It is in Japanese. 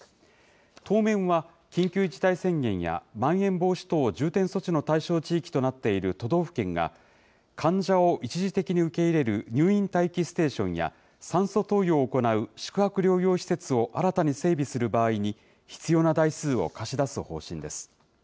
当面は、緊急事態宣言やまん延防止等重点措置の対象地域となっている都道府県が、患者を一時的に受け入れる入院待機ステーションや、酸素投与を行う宿泊療養施設を新たに整備する場合に、必要な台数を貸し出す方針です。